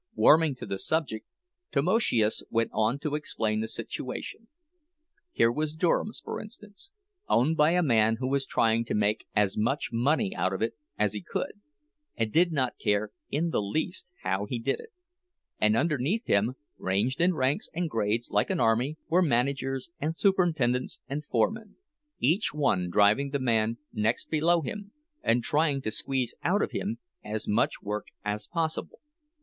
Warming to the subject, Tamoszius went on to explain the situation. Here was Durham's, for instance, owned by a man who was trying to make as much money out of it as he could, and did not care in the least how he did it; and underneath him, ranged in ranks and grades like an army, were managers and superintendents and foremen, each one driving the man next below him and trying to squeeze out of him as much work as possible.